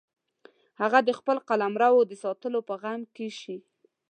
هغه د خپل قلمرو د ساتلو په غم کې شي.